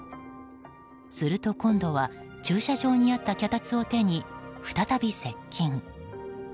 すると今度は駐車場にあった脚立を手に再び接近。